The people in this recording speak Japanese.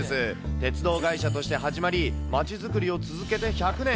鉄道会社として始まり、街づくりを続けて１００年。